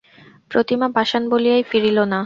প্রতিমা পাষাণ বলিয়াই ফিরিল না।